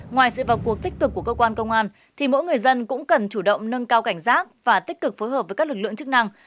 ngoài sự vào cuộc tích cực của cơ quan công an thì mỗi người dân cũng cần chủ động nâng cao cảnh giác và tích cực phối hợp với các lực lượng chức năng